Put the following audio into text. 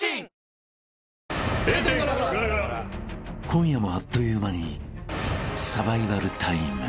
［今夜もあっという間にサバイバルタイム］